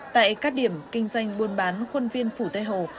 tại các điểm kinh doanh buôn bán khuân viên phủ tây hồ